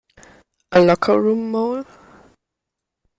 A Locker Room Mole?